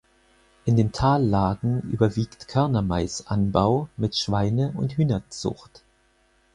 In den Tallagen überwiegt Körnermais-Anbau mit Schweine- und Hühnerzucht.